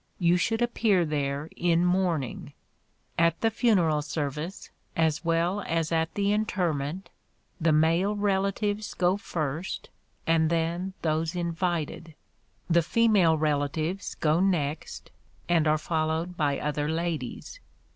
You should appear there in mourning. At the funeral service, as well as at the interment, the male relatives go first, and then those invited; the female relatives go next, and are followed by other ladies.